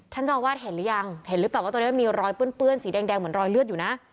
เจ้าอาวาสเห็นหรือยังเห็นหรือเปล่าว่าตรงนี้มันมีรอยเปื้อนสีแดงเหมือนรอยเลือดอยู่นะ